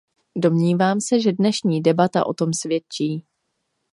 Domnívám se, že dnešní debata o tom svědčí.